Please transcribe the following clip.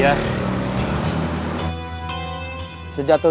sejatuhi tukar mental kamu